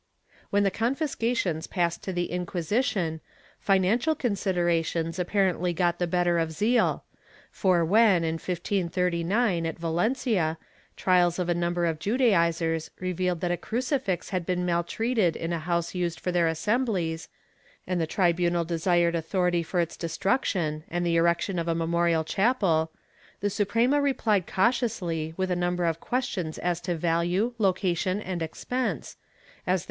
^ When the confiscations passed to the Inquisition, financial con siderations apparently got the better of zeal, for when, in 1539, at Valencia, trials of a number of Judaizers revealed that a cruci fix had been maltreated in a house used for their assemblies, and the tribunal desired authority for its destruction and the erection of a memorial chapel, the Suprema replied cautiously with a num ber of questions as to value, location and expense, as there were ' Constt.